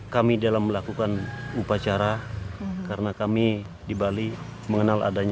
kami dalam melakukan upacara karena kami di bali mengenal adanya